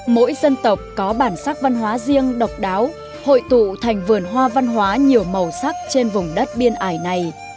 mỗi dân tộc có bản sắc văn hóa riêng độc đáo hội tụ thành vườn hoa văn hóa nhiều màu sắc trên vùng đất biên ải này